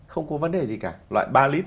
không có vấn đề gì cả loại ba lit